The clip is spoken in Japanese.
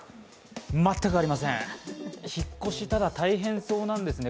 全くありません、引っ越し、ただ大変そうなんですね。